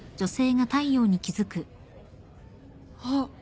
あっ。